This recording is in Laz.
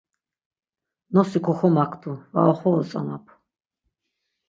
Nosi koxomaktu, var oxovotzonap.